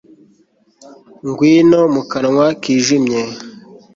Ngwino mu kanwa kijimye